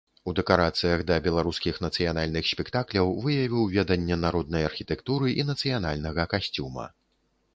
У дэкарацыях да беларускіх нацыянальных спектакляў выявіў веданне народнай архітэктуры і нацыянальнага касцюма.